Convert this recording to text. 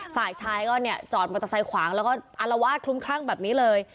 ฝ่ายชายก็เนี่ยจอดมอเตอร์ไซค์ขวางแล้วก็อารวาสคลุมคลั่งแบบนี้เลย